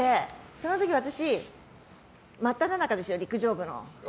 その時、私真っただ中ですよ、陸上部の。